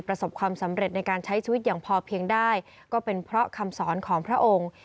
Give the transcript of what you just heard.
ประสบความสำเร็จในการใช้ชีวิตอย่างพอเพียงได้ก็เป็นเพราะคำสอนของพระองค์